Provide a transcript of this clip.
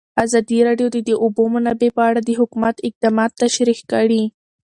ازادي راډیو د د اوبو منابع په اړه د حکومت اقدامات تشریح کړي.